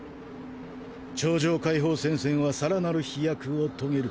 超常解放戦線は更なる飛躍を遂げる。